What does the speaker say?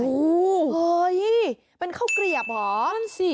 โอ้โหเป็นข้าวกรีบเหรอ